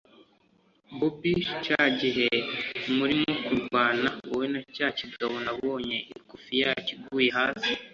bobi cyagihe murimo kurwana wowe na cyakigabo nabonye ikofi yacyo iguye hasi